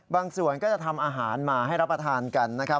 ส่วนก็จะทำอาหารมาให้รับประทานกันนะครับ